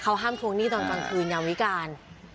เขาห้ามทวงหนี้ตอนกลางคืนยามวิการ